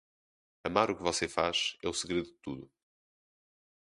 Amar o que você faz é o segredo de tudo.